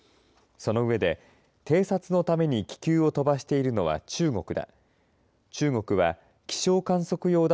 その上で、偵察のために気球を飛ばしているのは中国だ。